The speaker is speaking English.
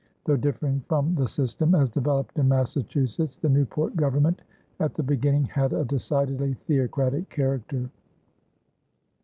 Though differing from the system as developed in Massachusetts, the Newport government at the beginning had a decidedly theocratic character.